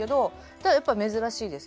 ただやっぱり珍しいです。